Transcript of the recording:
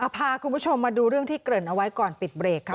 พาคุณผู้ชมมาดูเรื่องที่เกริ่นเอาไว้ก่อนปิดเบรกค่ะ